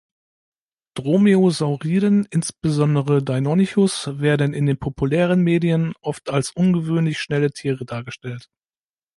Dromaeosauriden, insbesondere "Deinonychus", werden in den populären Medien oft als ungewöhnlich schnelle Tiere dargestellt.